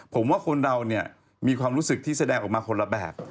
ผมว่าคนเราเนี่ยมีความรู้สึกที่แสดงออกมาคนละแบบ